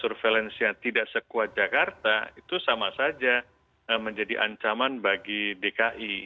surveillance yang tidak sekuat jakarta itu sama saja menjadi ancaman bagi dki